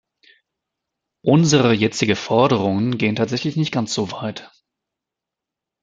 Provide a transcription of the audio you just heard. Unsere jetzigen Forderungen gehen tatsächlich nicht ganz so weit.